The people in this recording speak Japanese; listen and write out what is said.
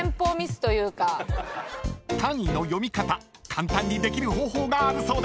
［単位の読み方簡単にできる方法があるそうです］